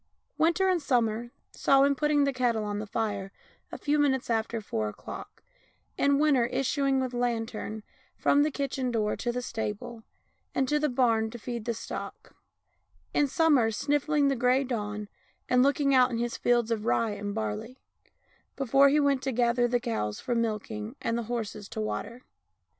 Winter and summer saw him putting the kettle on the fire a few minutes after four o'clock, in winter issuing 190 THE LANE THAT HAD NO TURNING with lantern from the kitchen door to the stable and barn to feed the stock ; in summer sniffing the grey dawn and looking out on his fields of rye and barley, before he went to gather the cows for milking and take the horses to water.